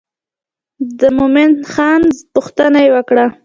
د مومن خان پوښتنه یې وکړه.